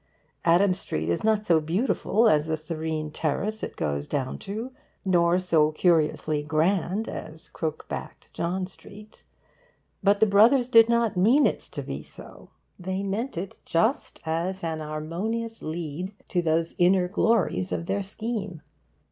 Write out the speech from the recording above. Adam Street is not so beautiful as the serene Terrace it goes down to, nor so curiously grand as crook backed John Street. But the Brothers did not mean it to be so. They meant it just as an harmonious 'lead' to those inner glories of their scheme.